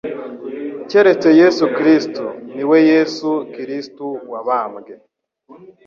keretse Yesu Kristo, ni we Yesu Kristo wabambwe."